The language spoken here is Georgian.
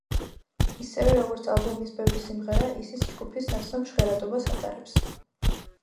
ისევე, როგორც ალბომის ბევრი სიმღერა, ისიც ჯგუფის ნაცნობ ჟღერადობას ატარებს.